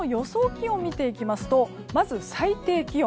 気温を見ていきますとまず最低気温。